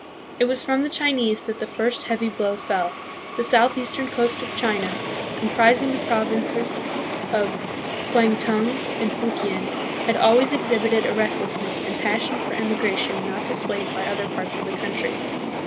It was from the Chinese that the first heavy blow fell. The southeastern coast of China, comprising the provinces of CONQUEST AND SETTLEMENT, 1565 1600. 141 Kwangtung and Fukien, has always exhibited a restless ness and passion for emigration not displayed by other parts of the country.